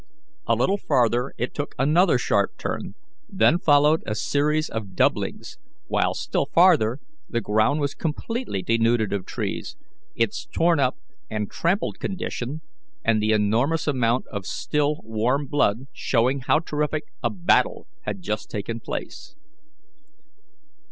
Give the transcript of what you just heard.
A little farther it took another sharp turn, then followed a series of doublings, while still farther the ground was completely denuded of trees, its torn up and trampled condition and the enormous amount of still warm blood showing how terrific a battle had just taken place.